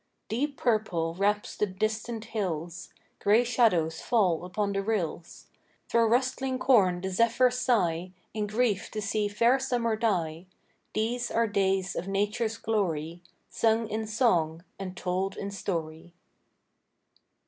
Deep purple wraps the distant hills, Gray shadows fall upon the rills;— Thro' rustling corn the zephyrs sigh, In grief to see fair summer die. These are days of Nature's glory, Sung in song, and told in story.